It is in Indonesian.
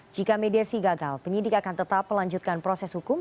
jika mediasi gagal penyidik akan tetap melanjutkan proses hukum